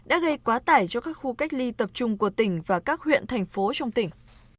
tình trạng này đã gây quá tải cho các khu cách ly tập trung của tỉnh và các huyện thành phố trong tỉnh